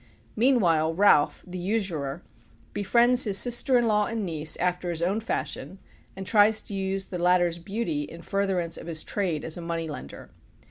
Meanwhile Ralph, the usurer, befriends his sister in law and niece after his own fashion, and tries to use the latter's beauty in furtherance of his trade as a money lender.